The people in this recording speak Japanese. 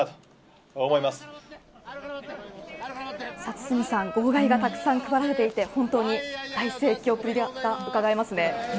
堤さん、号外がたくさん配られていて本当に大盛況ぶりがうかがえますね。